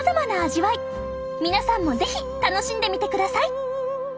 皆さんも是非楽しんでみてください！